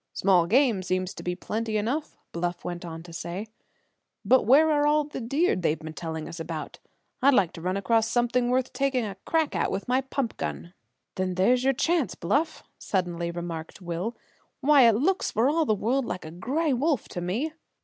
"Small game seems to be plenty enough," Bluff went on to say. "But where are all the deer they've been telling us about? I'd like to run across something worth taking a crack at with my pump gun." "Then there's your chance, Bluff!" suddenly remarked Will. "Why, it looks for all the world like a gray wolf to me!"